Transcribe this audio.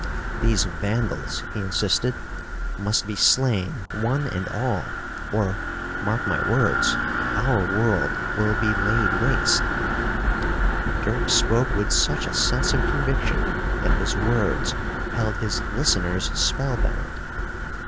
These vandals," he insisted, "must be slain one and all, or, mark my words, our world will be laid waste." Dirk spoke with such a sense of conviction that his words held his listeners spellbound.